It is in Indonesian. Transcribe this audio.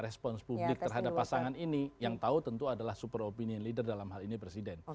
respons publik terhadap pasangan ini yang tahu tentu adalah super opinion leader dalam hal ini presiden